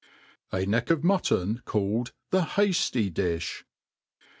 ' A Neck of Muttony called The ' Hajly Dijh.